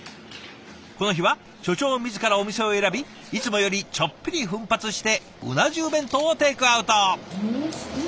この日は所長自らお店を選びいつもよりちょっぴり奮発してうな重弁当をテイクアウト。